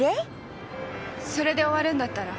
それで終わるんだったら。